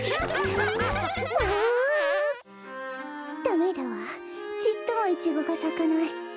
ダメだわちっともイチゴがさかない。